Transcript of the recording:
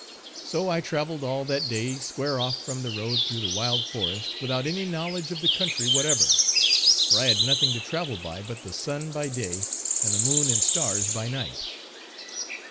So I traveled all that day square off from the road through the wild forest without any knowledge of the country whatever; for I had nothing to travel by but the sun by day, and the moon and stars by night.